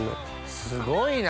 すごいな！